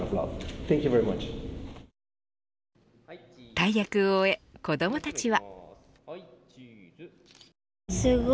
大役を終え、子どもたちは。